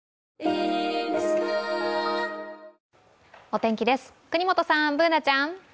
お天気です、國本さん、Ｂｏｏｎａちゃん。